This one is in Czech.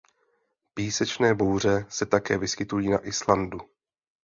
Písečné bouře se také vyskytují na Islandu.